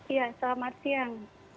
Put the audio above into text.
iya selamat siang